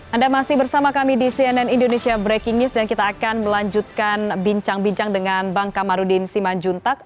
anda masih bersama kami di cnn indonesia breaking news dan kita akan melanjutkan bincang bincang dengan bang kamarudin simanjuntak